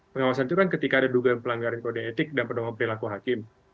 pengawasan itu kan ketika ada duga yang pelanggaran kode etik dan penolong perilaku hakim